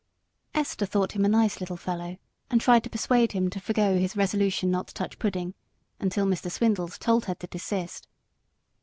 Esther thought him a nice little fellow, and tried to persuade him to forego his resolution not to touch pudding, until Mr. Swindles told her to desist.